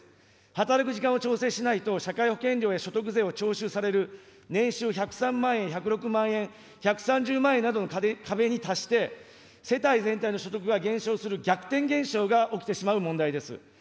働く時間を調整しないと、社会保険料や所得税を徴収される年収１０３万円、１０６万円、１３０万円などの壁に達して、世帯全体の所得が減少する逆転現象が起きてしまう問題です。